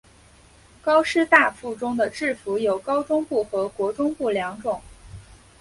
高师大附中的制服有高中部和国中部两种。